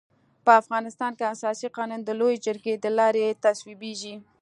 په افغانستان کي اساسي قانون د لويي جرګي د لاري تصويبيږي.